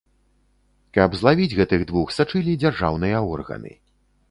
Каб злавіць гэтых двух, сачылі дзяржаўныя органы.